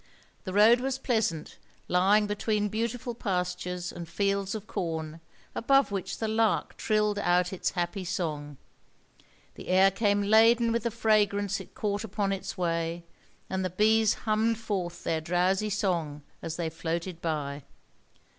The road was pleasant, lying between beautiful pastures and fields of corn, above which the lark trilled out its happy song. The air came laden with the fragrance it caught upon its way, and the bees hummed forth their drowsy song as they floated by.